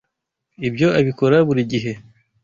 Ibyo abikora buri gihe.